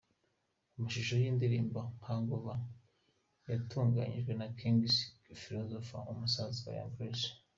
Amashusho y’indirimbo ‘Hangover’ yatunganyijwe na King Philosophe musaza wa Young Grace.